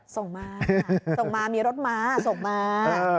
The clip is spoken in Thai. ส่งมาส่งมามีรถม้าส่งมา